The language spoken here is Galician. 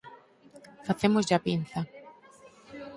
Facémoslle a pinza.